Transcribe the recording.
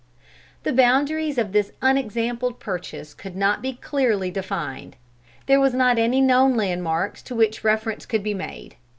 The boundaries of this unexampled purchase could not be clearly defined. There was not any known landmarks to which reference could be made.